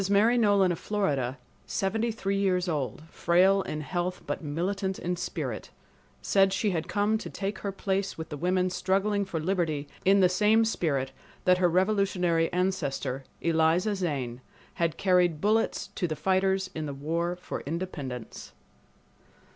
Mary Nolan of Florida, seventy three years old, frail in health but militant in spirit, said she had come to take her place with the women struggling for liberty in the same spirit that her revolutionary ancestor, Eliza Zane, had carried bullets to the fighters in the war for independence.